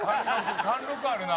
「貫禄あるな」